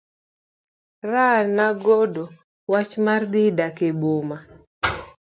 Raha nong'ado wach mar dhi dak e boma.